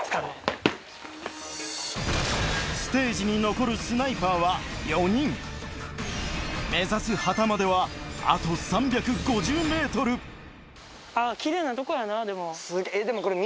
ステージに残るスナイパーは４人目指す旗まではあとあ奇麗なとこやなでも。